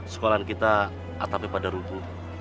sekolah kita atapi pada rutu